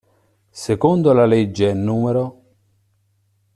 Secondo la legge n.